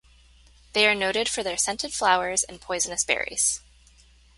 They are noted for their scented flowers and poisonous berries.